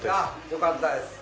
よかったです。